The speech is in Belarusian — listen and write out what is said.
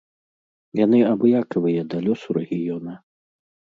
Яны абыякавыя да лёсу рэгіёна.